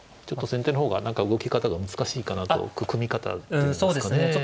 ちょっと先手の方が何か動き方が難しいかなと組み方っていうんですかね。